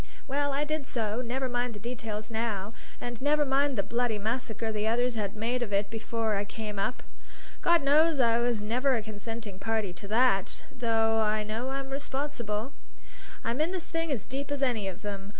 Well, I did so; never mind the details now, and never mind the bloody massacre the others had made of it before I came up. God knows I was never a consenting party to that, though I know I'm responsible. I'm in this thing as deep as any of them.